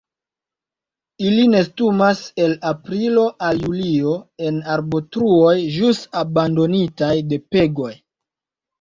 Ili nestumas el aprilo al julio en arbotruoj ĵus abandonitaj de pegoj.